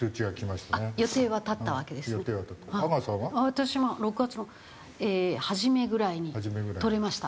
私も６月の初めぐらいに取れました。